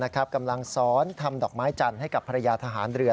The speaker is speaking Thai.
กำลังซ้อนทำดอกไม้จันทร์ให้กับภรรยาทหารเรือ